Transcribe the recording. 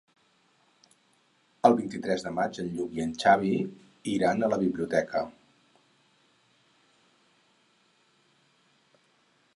El vint-i-tres de maig en Lluc i en Xavi iran a la biblioteca.